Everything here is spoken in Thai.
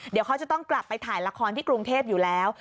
เดี๋ยวเขาจะต้องกลับไปถ่ายละครที่กรุงเทพอยู่แล้ว